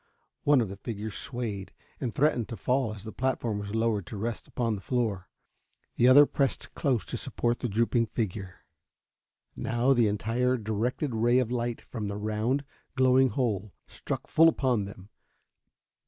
One of the figures swayed and threatened to fall as the platform was lowered to rest upon the floor. The other pressed close to support the drooping figure. Now the entire directed ray of light from the round, glowing hole struck full upon them.